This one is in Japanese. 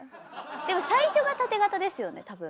でも最初がタテ型ですよね多分。